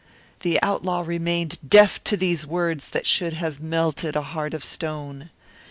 The outlaw remained deaf to these words that should have melted a heart of stone.